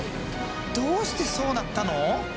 どうしてそうなったの！？